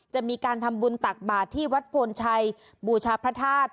จะมีการทำบุญตักบาทที่วัดโพนชัยบูชาพระธาตุ